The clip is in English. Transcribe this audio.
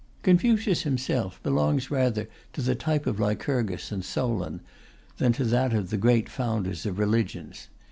Confucius himself belongs rather to the type of Lycurgus and Solon than to that of the great founders of religions.